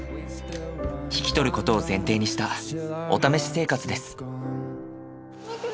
引き取ることを前提にしたお試し生活です。